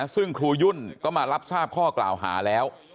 ซึ่งครูยุ่นก็มารับทราบข้อกล่าวหาแล้ว